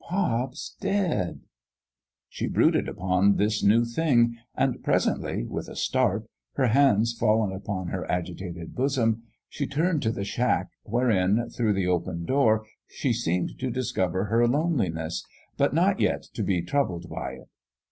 " Pop's dead !" She brooded upon this new thing ; and presently, with a start, her hands fallen upon her agitated bosom, she turned to the shack, wherein, through the open door, she seemed to discover her loneliness, but not yet to be troubled by it.